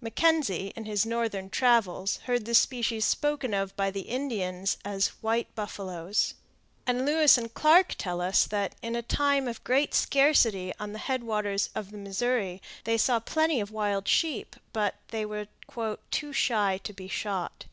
Mackenzie, in his northern travels, heard the species spoken of by the Indians as "white buffaloes." And Lewis and Clark tell us that, in a time of great scarcity on the head waters of the Missouri, they saw plenty of wild sheep, but they were "too shy to be shot."